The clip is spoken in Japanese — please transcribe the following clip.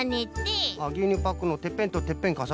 ぎゅうにゅうパックのてっぺんとてっぺんかさねる。